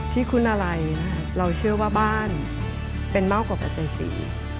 ที่คุณาลัยเราเชื่อว่าบ้านเป็นเม่ากับอาจารย์ศรี